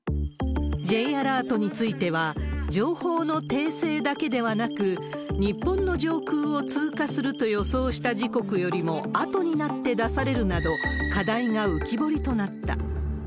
Ｊアラートについては、情報の訂正だけではなく、日本の上空を通過すると予想した時刻よりもあとになって出されるなど、課題が浮き彫りとなった。